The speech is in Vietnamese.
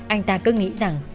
anh ta cứ nghĩ rằng